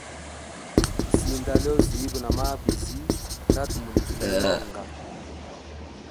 Sinda lyozi ibwa namabizi ndatumulikilila onga.